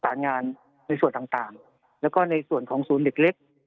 สารงานในส่วนต่างแล้วก็ในส่วนของศูนย์เด็กเล็ก